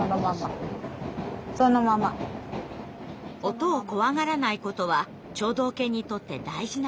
音を怖がらないことは聴導犬にとって大事な要素。